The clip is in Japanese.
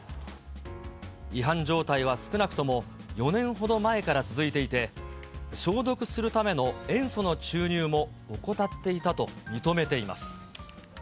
違反状態は少なくとも４年ほど前から続いていて、消毒するための塩素の注入も怠っていたと認めています。